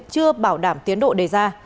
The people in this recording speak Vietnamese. chưa bảo đảm tiến độ đề ra